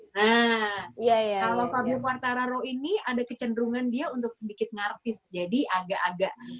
nah kalau kamu quartararo ini ada kecenderungan dia untuk sedikit ngarfis jadi agak agak